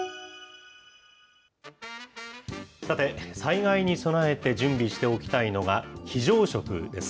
さて、災害に備えて準備しておきたいのが、非常食です。